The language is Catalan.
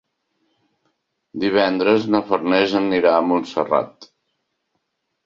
Divendres na Farners anirà a Montserrat.